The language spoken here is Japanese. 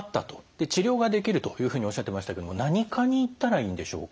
治療ができるというふうにおっしゃってましたけど何科に行ったらいいんでしょうか？